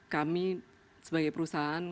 kami sebagai perusahaan